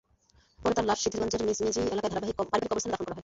পরে তাঁর লাশ সিদ্ধিরগঞ্জের মিজমিজি এলাকায় পারিবারিক কবরস্থানে দাফন করা হয়।